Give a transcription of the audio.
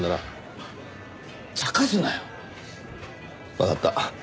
わかった。